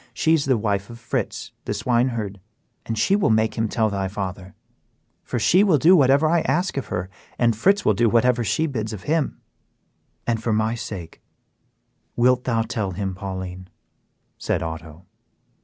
She is the wife of Fritz, the swineherd, and she will make him tell thy father; for she will do whatever I ask of her, and Fritz will do whatever she bids him do." "And for my sake, wilt thou tell him, Pauline?" said Otto.